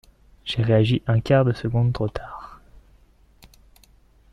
J’ai réagi un quart de seconde trop tard.